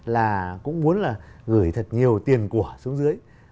là cũng muốn là gửi thật nhiều tiền của xuống dưới